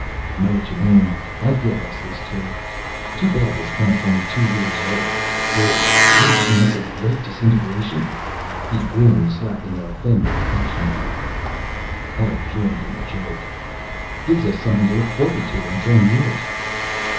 "Know what you mean I feel restless too. Too bad this plant's only two years old. Boy, wouldn't she make a great disintegration!" He grinned, slapping a fender affectionately. Hart joined in the joke. "Gives us something to look forward to in ten years."